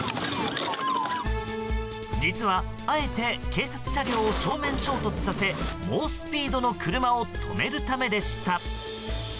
実は、あえて警察車両を正面衝突させ猛スピードの車を止めるためでした。